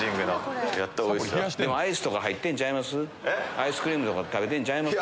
アイスクリーム食べてんちゃいます？